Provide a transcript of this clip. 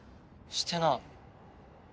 してない。